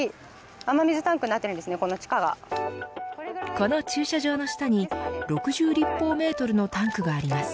この駐車場の下に６０立方メートルのタンクがあります。